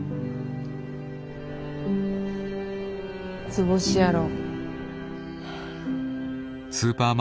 図星やろ？